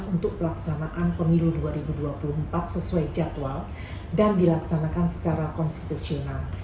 untuk pelaksanaan pemilu dua ribu dua puluh empat sesuai jadwal dan dilaksanakan secara konstitusional